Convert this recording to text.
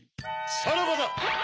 さらばだ！